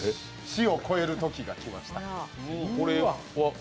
師を超える時が来ました。